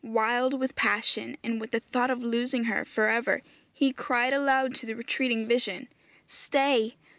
Wild with passion, and with the thought of losing her for ever, he cried aloud to the retreating vision, 'Stay!